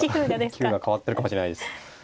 棋風が変わってるかもしれないです。